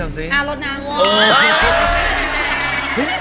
เออทำซิทำซิ